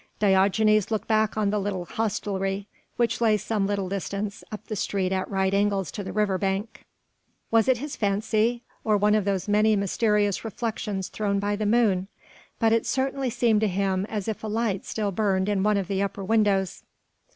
Diogenes looked back on the little hostelry, which lay some little distance up the street at right angles to the river bank. Was it his fancy or one of those many mysterious reflections thrown by the moon? but it certainly seemed to him as if a light still burned in one of the upper windows.